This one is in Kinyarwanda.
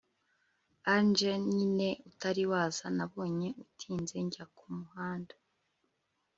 Angel nyine utari waza nabonye utinze njya ku muhanda